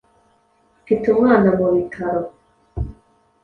mfite umwana mu bitaro,